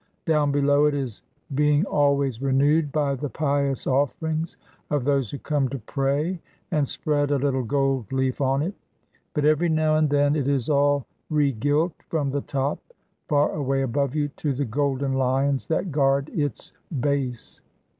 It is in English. Down below it is being always renewed by the pious offerings of those who come to pray and spread a little gold leaf on it; but every now and then it is all regilt, from the top, far away above you, to the golden lions that guard its base.